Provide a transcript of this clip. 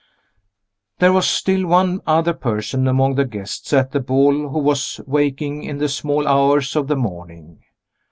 There was still one other person among the guests at the ball who was waking in the small hours of the morning.